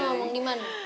gak ada temennya